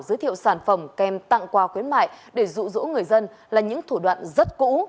giới thiệu sản phẩm kèm tặng quà khuyến mại để rụ rỗ người dân là những thủ đoạn rất cũ